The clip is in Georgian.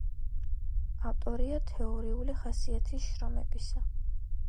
ავტორია თეორიული ხასიათის შრომებისა.